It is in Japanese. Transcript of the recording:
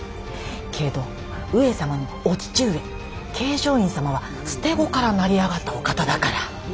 けど上様のお父上桂昌院様は捨て子から成り上がったお方だから。